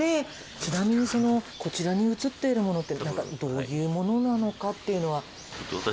ちなみにそのこちらに写っているものってなんかどういうものなのかっていうのは。